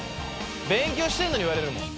勉強してるのに言われるもん。